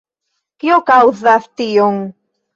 Kio kaŭzas tion?